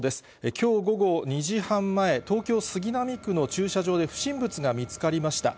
きょう午後２時半前、東京・杉並区の駐車場で不審物が見つかりました。